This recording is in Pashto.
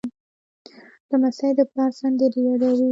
لمسی د پلار سندرې یادوي.